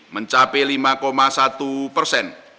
mencapai lima satu persen